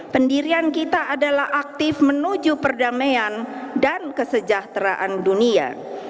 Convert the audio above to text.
pendirian kita adalah aktif menuju perdamaian dan kesejahteraan dunia